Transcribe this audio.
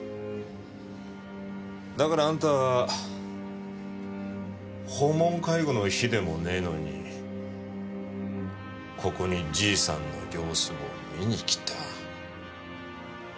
だからあんたは訪問介護の日でもねえのにここにじいさんの様子を見に来た。